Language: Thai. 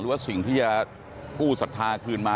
หรือว่าสิ่งที่จะกู้ศรัทธาคืนมา